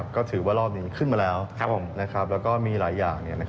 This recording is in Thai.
ก็ถือว่ารอบนี้ขึ้นมาแล้วแล้วก็มีหลายอย่าง